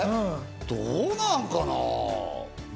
どうなのかな？